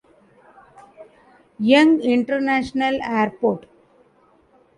Young International Airport.